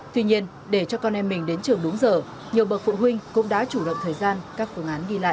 tuy nhiên để cho con em mình đến trường đúng giờ nhiều bậc phụ huynh cũng đã chủ động thời gian các phương án đi lại